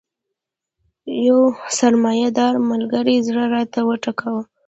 یو سرمایه دار ملګري زړه راته وټکاوه.